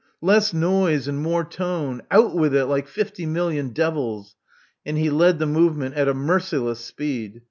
Less noise and more tone. Out with it like fifty million devils." And he led the movement at a merciless speed.